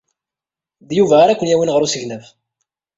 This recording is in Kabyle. D Yuba ara ken-yawin ɣer usegnaf.